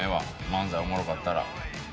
漫才おもろかったら。